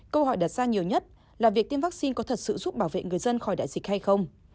câu hỏi đặt ra nhiều nhất là việc tiêm vaccine có thật sự giúp bảo vệ người dân khỏi đại dịch hay không